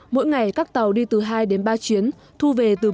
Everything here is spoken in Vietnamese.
mỗi ngày các tàu đi từ hai đến ba chuyến thu về từ một ba